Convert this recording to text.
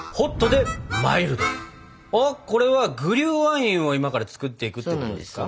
これはグリューワインを今から作っていくってことですか？